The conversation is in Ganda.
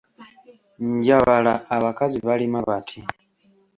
Njabala abakazi balima bati,